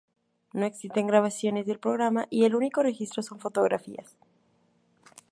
No existen grabaciones del programa y el único registro son fotografías.